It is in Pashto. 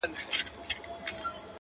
په لس هاوو یې لیدلي وه ښارونه-